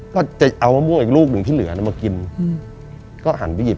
ก็จะเอามะม่วงอีกลูกหนึ่งที่เหลือมากินก็หันไปหยิบ